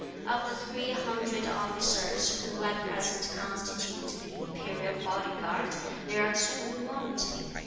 Of the three hundred officers who at present constitute the Imperial Body Guard, there are two wanting.